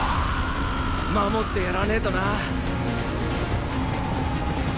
守ってやらねェとな！